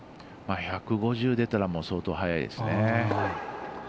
１５０出たら相当速いですね。